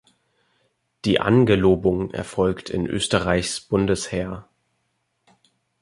Die Angelobung erfolgt in Österreichs Bundesheer.